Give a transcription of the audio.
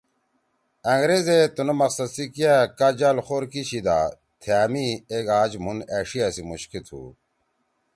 انگریز ئے تنُو مقصد سی کیا کا جال خور کیشیِدا تھأ می ایک آج مُھون أݜیِا سی مُوشکے تُھو